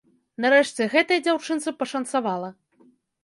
Нарэшце гэтай дзяўчынцы пашанцавала.